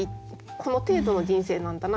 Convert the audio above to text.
この程度の人生なんだな